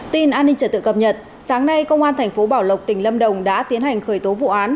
tin an ninh trật tự cập nhật sáng nay công an thành phố bảo lộc tỉnh lâm đồng đã tiến hành khởi tố vụ án